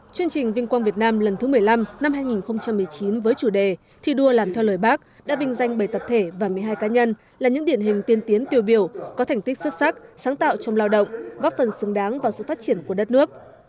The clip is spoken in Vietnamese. chương trình vinh quang việt nam lần thứ một mươi năm năm hai nghìn một mươi chín với chủ đề thi đua làm theo lời bác đã vinh danh bảy tập thể và một mươi hai cá nhân là những điển hình tiên tiến tiêu biểu có thành tích xuất sắc sáng tạo trong lao động góp phần xứng đáng vào sự phát triển của đất nước